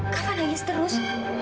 kafa nangis terus